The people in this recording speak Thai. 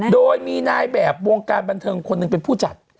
โดยมีนายแบบวงการบันเทิงคนหนึ่งเป็นผู้จัด